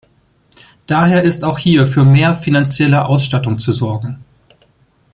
Daher ist auch hier für mehr finanzielle Ausstattung zu sorgen.